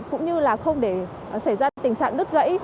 cũng như là không để xảy ra tình trạng đứt gãy